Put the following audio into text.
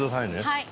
はい。